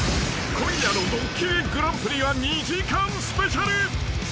［今夜の『ドッキリＧＰ』は２時間スペシャル］